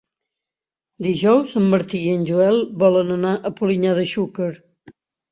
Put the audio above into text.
Dijous en Martí i en Joel volen anar a Polinyà de Xúquer.